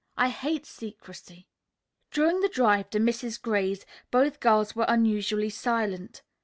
I hate secrecy." During the drive to Mrs. Gray's, both girls were unusually silent.